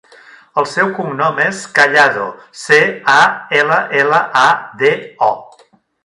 El seu cognom és Callado: ce, a, ela, ela, a, de, o.